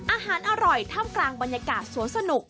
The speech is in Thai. อาหารอร่อยท่ามกลางบรรยากาศสวนสนุก